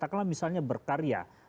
katakanlah misalnya berkarya